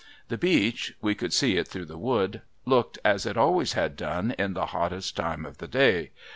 The beach (we could see it through the wood) looked as it always had done in the hottest time of the day.